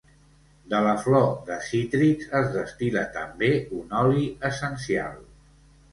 De la flor de cítrics es destil·la també un oli essencial.